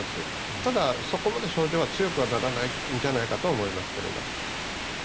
ただ、そこまで症状は強くはならないんじゃないかとは思いますけども。